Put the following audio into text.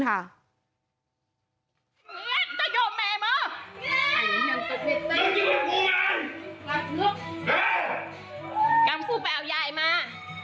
แม่